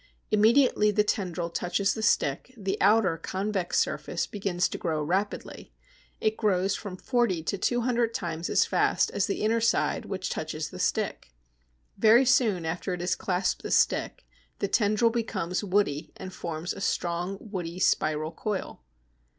Immediately the tendril touches the stick, the outer convex surface begins to grow rapidly. It grows from forty to 200 times as fast as the inner side which touches the stick! Very soon after it has clasped the stick the tendril becomes woody and forms a strong, woody, spiral coil.